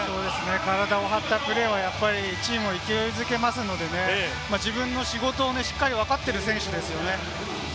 体を張ったプレーはやっぱりチームを勢いづけますのでね、自分の仕事をしっかりとわかっている選手ですよね。